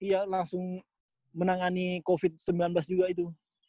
iya langsung menangani covid sembilan belas juga itu